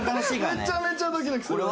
めちゃめちゃドキドキするわ。